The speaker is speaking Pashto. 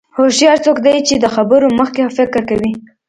هوښیار څوک دی چې د خبرو مخکې فکر کوي.